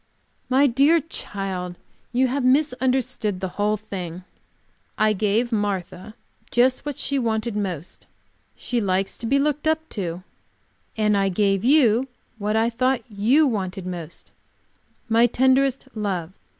"My dear child, you have misunderstood the whole thing. I gave Martha just what she wanted most; she likes to be looked up to. And I gave you what I thought you wanted most, my tenderest love.